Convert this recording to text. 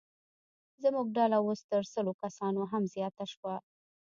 زموږ ډله اوس تر سلو کسانو هم زیاته شوه.